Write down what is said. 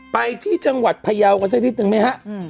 ไปที่จังหวัดพยาวกันสักนิดนึงไหมฮะ